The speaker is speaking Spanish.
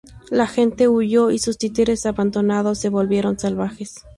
La gente huyó y sus títeres abandonados se volvieron salvajes.